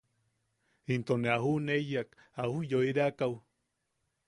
Into ne a juʼuneiyak a ujyoireakaʼu.